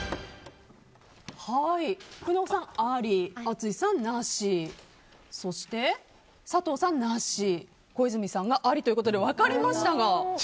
工藤さん、あり淳さん、なしそして佐藤さん、なし小泉さんがありということで分かれました。